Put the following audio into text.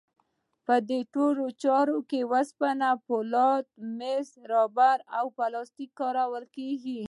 په دې ټولو چارو کې وسپنه، فولاد، مس، ربړ او پلاستیک کارول کېږي.